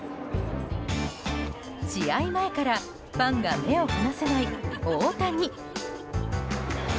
試合前からファンが目を離せない、大谷。